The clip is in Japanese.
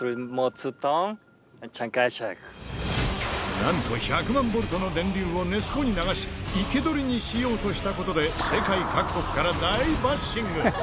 なんと１００万ボルトの電流をネス湖に流し、生け捕りにしようとしたことで、世界各国から大バッシング。